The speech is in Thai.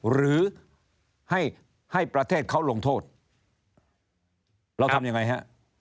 หรือให้ให้ประเทศเขาลงโทษเราทำยังไงฮะ